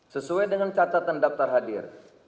sesuai dengan catatan daftar hadir